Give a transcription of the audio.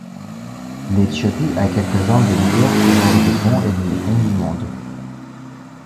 L'Éthiopie a quelques-uns des meilleurs coureurs de fond et demi-fond du monde.